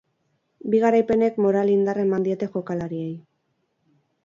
Bi garaipenek moral indarra eman diete jokalariei.